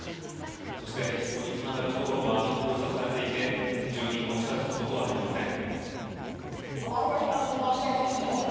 そして、そこにつながる道路は封鎖されていて住人も近づくことはできません。